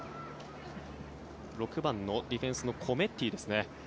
６番のディフェンスのコメッティですね。